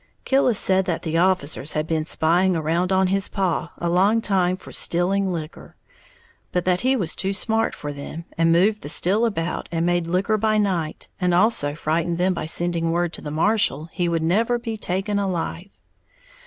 Killis said that the officers had been spying around on his "paw" a long time for "stilling" liquor, but that he was too smart for them, and moved the still about, and made liquor by night, and also frightened them by sending word to the marshal he would never be taken alive.